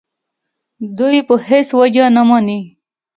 دوی یې په هېڅ وجه نه مني.